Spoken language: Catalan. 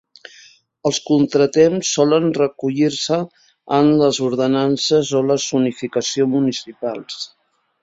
Els contratemps solen recollir-se en les ordenances o la zonificació municipals.